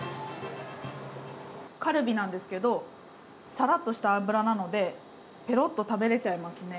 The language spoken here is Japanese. カルビなんですけど、さらっとした脂なのでペロッと食べれちゃいますね。